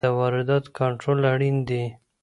د وارداتو کنټرول اړین دی.